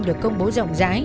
được công bố rộng rãi